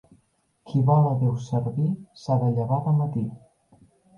Qui vol a Déu servir s'ha de llevar de matí.